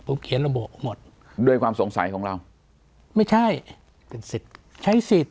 ผมเขียนระบุหมดด้วยความสงสัยของเราไม่ใช่เป็นสิทธิ์ใช้สิทธิ์